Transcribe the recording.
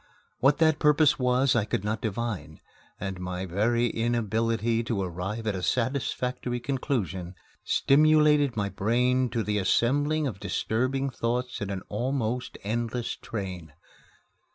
What that purpose was I could not divine, and my very inability to arrive at a satisfactory conclusion stimulated my brain to the assembling of disturbing thoughts in an almost endless train.